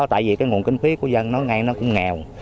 tại vì cái nguồn kinh phí của dân nó ngay nó cũng nghèo